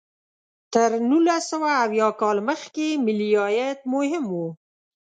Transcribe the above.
تر نولس سوه اویا کال مخکې ملي عاید مهم و.